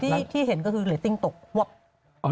แต่ที่เห็นก็คือเลสติ้งตกวั๊บ